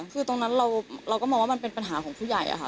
คือตรงนั้นเราก็มองว่ามันเป็นปัญหาของผู้ใหญ่ค่ะ